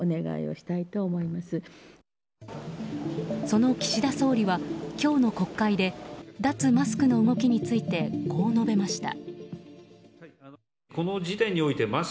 その岸田総理は今日の国会で脱マスクの動きについてこう述べました。